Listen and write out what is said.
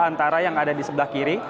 antara yang ada di sebelah kiri